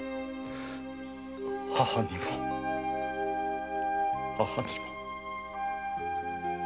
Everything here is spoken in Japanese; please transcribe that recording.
母にも母にも。